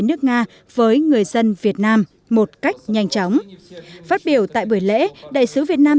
nước nga với người dân việt nam một cách nhanh chóng phát biểu tại buổi lễ đại sứ việt nam